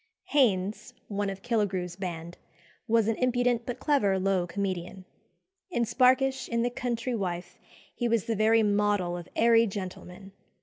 Haines, one of Killigrew's band, was an impudent but clever low comedian. In Sparkish, in "The Country Wife," he was the very model of airy gentlemen.